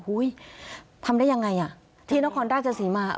อุ้ยทำได้ยังไงที่นครราชสีมาร์